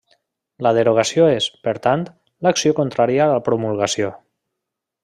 La derogació és, per tant, l'acció contrària a la promulgació.